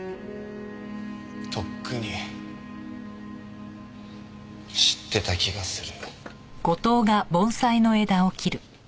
とっくに知ってた気がする。